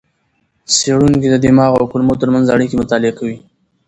څېړونکي د دماغ او کولمو ترمنځ اړیکې مطالعه کوي.